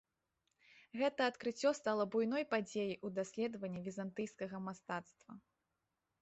Гэта адкрыццё стала буйной падзеяй у даследаванні візантыйскага мастацтва.